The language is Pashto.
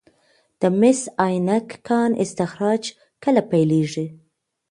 د مس عینک کان استخراج کله پیلیږي؟